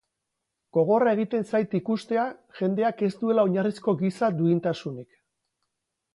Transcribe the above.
Gogorra egiten zait ikustea jendeak ez duela oinarrizko giza duintasunik.